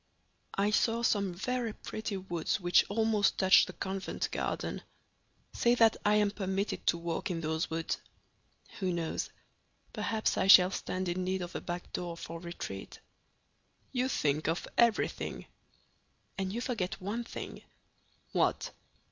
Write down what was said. "I saw some very pretty woods which almost touch the convent garden. Say that I am permitted to walk in those woods. Who knows? Perhaps I shall stand in need of a back door for retreat." "You think of everything." "And you forget one thing." "What?"